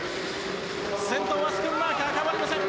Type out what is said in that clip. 先頭はスクンマーカーで変わりません。